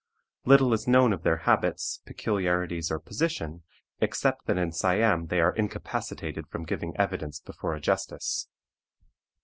Little is known of their habits, peculiarities, or position, except that in Siam they are incapacitated from giving evidence before a justice.